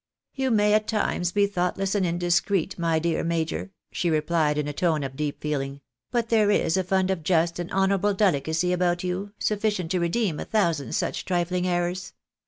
" You may at times be thoughtless and indiscreet, my dear major," she replied, in a tone of deep feehng, " but there is a fund of just and honourable delicacy about you, sufficient to redeem a thousand such trifling errors.